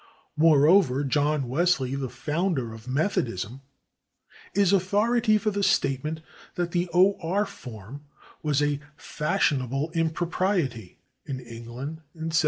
Moreover, John Wesley, the founder of Methodism, is authority for the statement that the / or/ form was "a fashionable impropriety" in England in 1791.